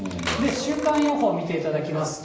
週間予報見ていただきますと。